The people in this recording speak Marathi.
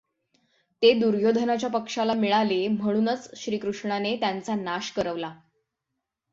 ते दुर्योधनाच्या पक्षाला मिळाले म्हणूनच श्रीकृष्णाने त्यांचा नाश करवला.